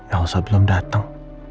elsa belum datang